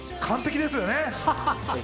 完璧ですよね。